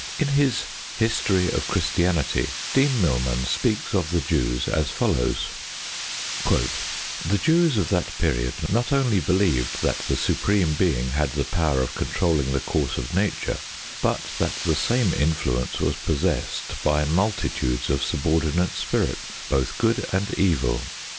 In his History of Christianity Dean Milman speaks of the Jews as follows: The Jews of that period not only believed that the Supreme Being had the power of controlling the course of Nature, but that the same influence was possessed by multitudes of subordinate spirits, both good and evil.